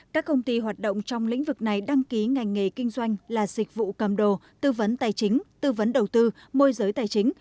các công ty hoạt động trong lĩnh vực này đăng ký ngành nghề kinh doanh là dịch vụ cầm đồ tư vấn tài chính tư vấn đầu tư môi giới tài chính